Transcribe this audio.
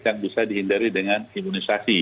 yang bisa dihindari dengan imunisasi